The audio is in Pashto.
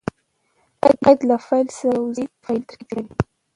قید له فعل سره یوځای فعلي ترکیب جوړوي.